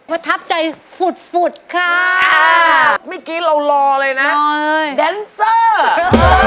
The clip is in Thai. ประทับใจฝุดฝุดค่ะเมื่อกี้เรารอเลยนะแดนเซอร์